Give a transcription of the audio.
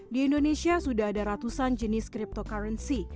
di indonesia sudah ada ratusan jenis cryptocurrency